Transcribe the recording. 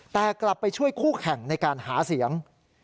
แต่กลับไปช่วยคู่แข่งในการหาเสียง